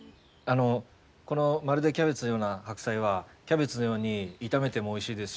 この「まるでキャベツのような白菜」はキャベツのように炒めてもおいしいですし生で食べてもおいしいです。